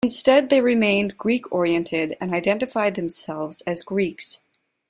Instead they remained Greek-oriented and identified themselves as Greeks.